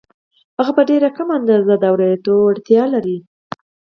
هغه په ډېره کمه اندازه د اورېدو وړتیا لري